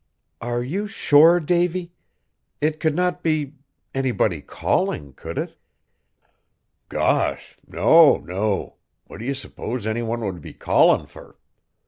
"Are you sure, Davy? It could not be anybody calling, could it?" "Gosh! no, no. What do ye suppose any one would be callin' fur?"